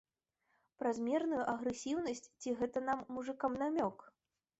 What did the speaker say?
Празмерную агрэсіўнасць ці гэта нам, мужыкам, намёк?